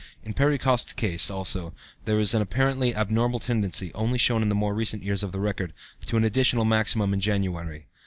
In Perry Coste's case, also, there is an apparently abnormal tendency, only shown in the more recent years of the record, to an additional maximum in January.